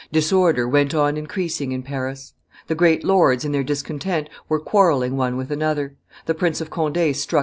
Disorder went on increasing in Paris; the great lords, in their discontent, were quarrelling one with another; the Prince of Conde struck M.